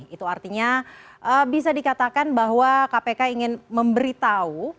itu artinya bisa dikatakan bahwa kpk ingin memberi tahu